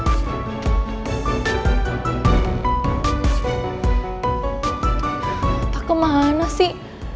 atau kemana sih